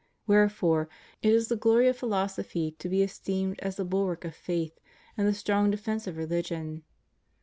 Where fore it is the glory of philosophy to be esteemed as the bulwark of faith and the strong defence of religion.